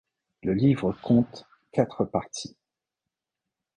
Le livre compte quatre parties.